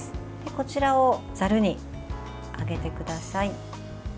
こちらをざるにあげてください。